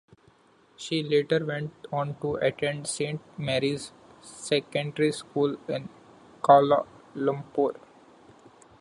She later went on to attend Saint Mary's secondary school in Kuala Lumpur.